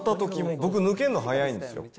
僕、抜けるの早いんですよ。